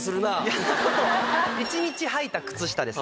１日はいた靴下ですね